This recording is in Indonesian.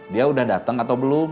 dia udah datang atau belum